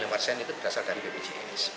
pembelian itu berasal dari bpjs